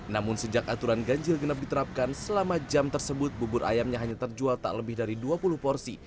namun sejak aturan ganjil genap diterapkan selama jam tersebut bubur ayamnya hanya terjual tak lebih dari dua puluh porsi